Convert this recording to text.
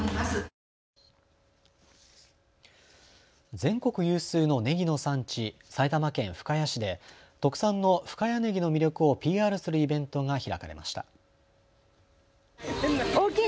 全国有数のねぎの産地、埼玉県深谷市で特産の深谷ねぎの魅力をＰＲするイベントが開かれました。